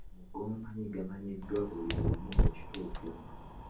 Mu go mangi gamanyiddwa buli omu ekituufu.